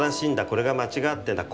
これが間違ってんだ。